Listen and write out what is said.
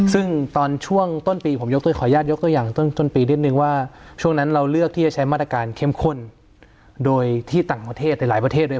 ซึ่งตอนช่วงต้นปีผมยกตัวขออนุญาตยกตัวอย่างต้นปีนิดนึงว่าช่วงนั้นเราเลือกที่จะใช้มาตรการเข้มข้นโดยที่ต่างประเทศหลายประเทศเลย